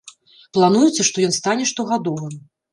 Плануецца, што ён стане штогадовым.